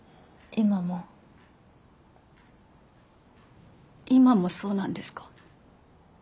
今もそうなんですか？